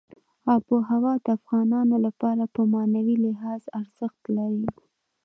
آب وهوا د افغانانو لپاره په معنوي لحاظ ارزښت لري.